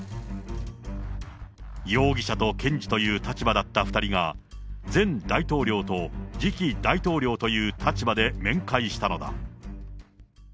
容疑者と検事という立場だった２人が、前大統領と次期大統領という立場で面会したのだ。